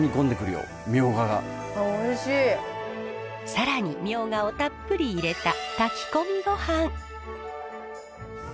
更にミョウガをたっぷり入れた炊き込みごはん。